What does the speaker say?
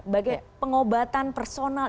bagaimana pengobatan personal